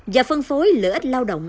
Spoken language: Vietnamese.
và phân phối lợi ích lao động